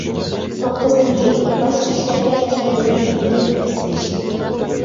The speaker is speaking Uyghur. توققۇزىنچى، باشقا كىشىلەرگە چېھرىدىن مېھرىنى كۆرسىتىش.